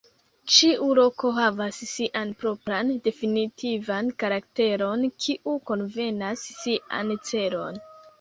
Ĉiu loko havas sian propran definitivan karakteron kiu konvenas sian celon.